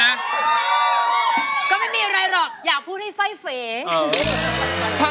อย่าใช่ใจทางอย่าวางทีคน